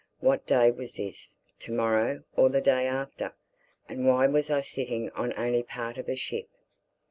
What day was this, to morrow or the day after?—And why was I sitting on only part of a ship?